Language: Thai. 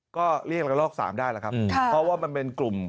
ก็เลี่ยงละลอก๓ได้แล้วครับเพราะว่ามันเป็นกลุ่ม